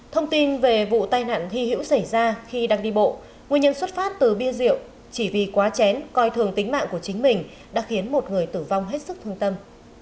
thông tin về vụ tai nạn hy hữu xảy ra khi đang đi bộ nguyên nhân xuất phát từ bia rượu chỉ vì quá chén coi thường tính mạng của chính mình đã khiến một người tử vong hết sức thương tâm